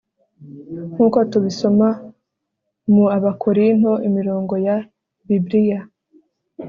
nkuko tubisoma muabakorinto imirongo ya bibriya